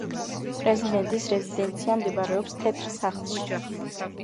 პრეზიდენტის რეზიდენცია მდებარეობს თეთრ სახლში.